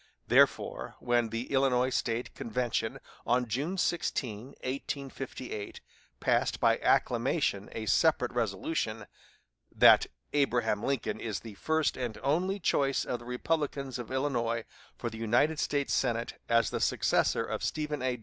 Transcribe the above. Therefore, when the Illinois State convention on June 16, 1858, passed by acclamation a separate resolution, "That Abraham Lincoln is the first and only choice of the Republicans of Illinois for the United States Senate as the successor of Stephen A.